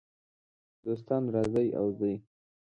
دوستان راځي او ځي .